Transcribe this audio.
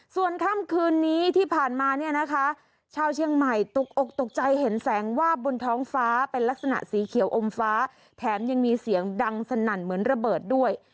ส่วนค่ำคืนนี้ที่ผ่านมาเนี่ยนะคะชาวเชียงใหม่ตกอกตกใจเห็นแสงวาบบนท้องฟ้าเป็นลักษณะสีเขียวอมฟ้าแถมยังมีเสียงดังสนั่นเหมือนระเบิดด้วย